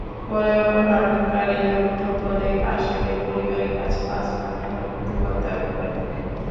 পরে অপহরণকারীরা মুঠোফোনে কাসেমের পরিবারের কাছে পাঁচ লাখ টাকা মুক্তিপণ দাবি করে।